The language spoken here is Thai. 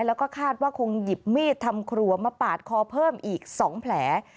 แล้วก็คาดว่าคงหยิบมีดทำครัวมาปาดคอเพิ่มอีก๒แผล